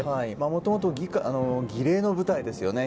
もともと儀礼の舞台ですね。